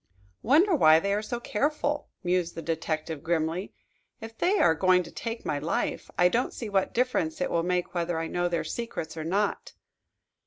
"Wonder why they are so careful?" mused the detective grimly. "If they are going to take my life I don't see what difference it will make whether I know their secrets or not."